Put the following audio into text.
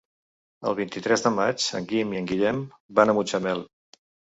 El vint-i-tres de maig en Guim i en Guillem van a Mutxamel.